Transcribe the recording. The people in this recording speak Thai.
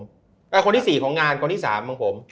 กะพแน้กสีของงานที่๓ของผม